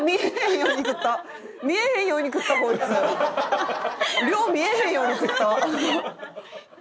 よう見えへんように食った。